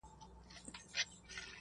د قسمت په شکایت نه مړېدله -